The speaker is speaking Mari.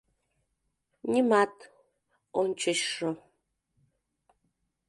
— Нимат... ончычшо.